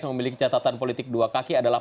memiliki catatan politik dua kaki adalah